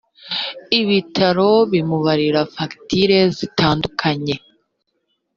ibitaro bimubarira facture zitandukanye